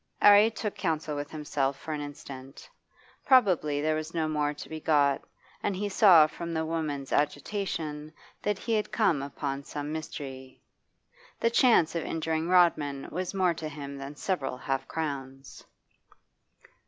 'Arry took counsel with himself for an instant. Probably there was no more to be got, and he saw from the woman's agitation that he had come upon some mystery. The chance of injuring Rodman was more to him than several half crowns.